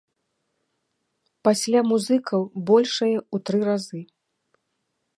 Пасля музыкаў большае ў тры разы.